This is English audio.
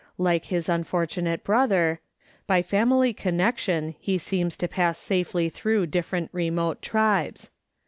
Like his unfortunate brother, by family connexion he seems to pass safely through different remote tribes.